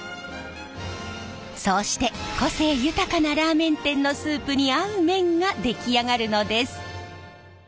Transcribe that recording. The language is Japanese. そうして個性豊かなラーメン店のスープに合う麺が出来上がるのです。